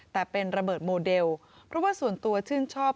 แต่เป็นระเบิดโมเดลเพราะว่าส่วนตัวชื่นชอบ